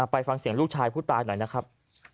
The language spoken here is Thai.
ไปฟังเสียงลูกชายผู้ตายหน่อยนะครับ